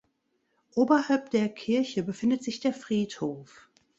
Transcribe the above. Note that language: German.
Oberhalb der Kirche befindet sich der Friedhof.